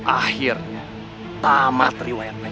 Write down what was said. akhirnya tamat riwayat pajajaran